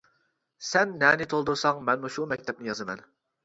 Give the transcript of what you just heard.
سەن نەنى تولدۇرساڭ مەنمۇ شۇ مەكتەپنى يازىمەن.